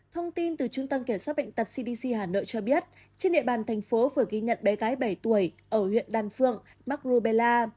thông tin từ trung tâm kiểm soát bệnh tật cdc hà nội cho biết trên địa bàn thành phố vừa ghi nhận bé gái bảy tuổi ở huyện đan phượng mắc rubella